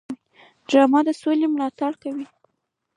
ډرامه د سولې ملاتړ کوي